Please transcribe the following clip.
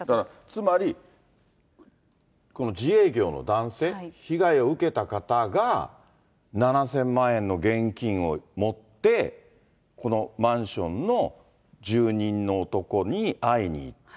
つまり、この自営業の男性、被害を受けた方が７０００万円の現金を持って、このマンションの住人の男に会いに行った。